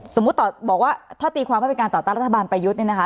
บอกว่าถ้าตีความว่าเป็นการต่อต้านรัฐบาลประยุทธ์เนี่ยนะคะ